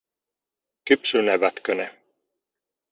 Kypsynevätkö ne?